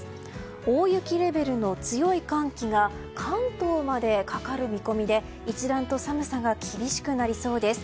大雪レベルの強い寒気が関東までかかる見込みで一段と寒さが厳しくなりそうです。